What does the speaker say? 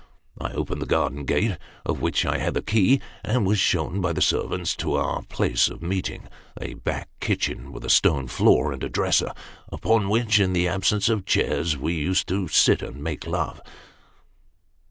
I opened the garden gate, of which I had a key, and was shown by the servant to our old place of meeting a back kitchen, with a stone floor and a dresser : upon which, in the absence of chairs, we used to sit and make love."